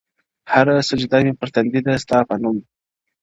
هره سجده مي پر تندي ده ستا په نوم -